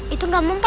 itu gak mempan